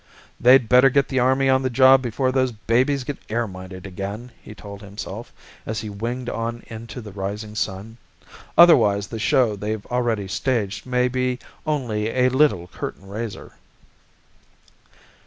"They'd better get the Army on the job before those babies get air minded again!" he told himself, as he winged on into the rising sun. "Otherwise the show they've already staged may be only a little curtain raiser."